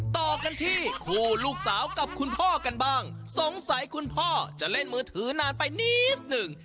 ต่อกันที่คู่ลูกสาวกับคุณพ่อกันบ้างสงสัยคุณพ่อจะเล่นมือถือนานไปนิดหนึ่ง